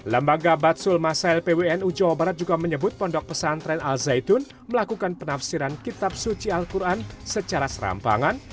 lembaga batsul masail pwnu jawa barat juga menyebut pondok pesantren al zaitun melakukan penafsiran kitab suci al quran secara serampangan